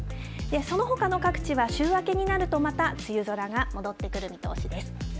そのほかの各地は週明けになるとまた梅雨空が戻ってくる見通しです。